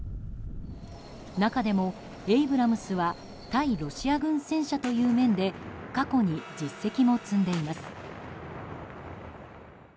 中でもエイブラムスは対ロシア軍戦車という面で過去に実績も積んでいます。